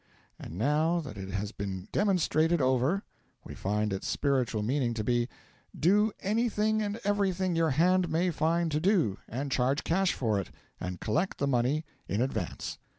And now that it has been 'demonstrated over,' we find its spiritual meaning to be, 'Do anything and everything your hand may find to do; and charge cash for it, and collect the money in advance.'